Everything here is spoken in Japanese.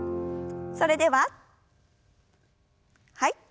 それでははい。